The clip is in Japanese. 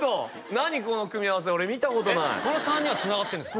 何この組み合わせ俺見たことない３人はつながってるんですか？